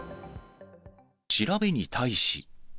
調べに対し。